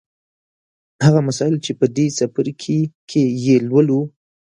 هغه مسایل چې په دې څپرکي کې یې لولو